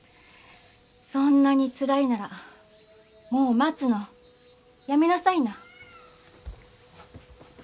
そんなにつらいならもう待つのやめなさいな。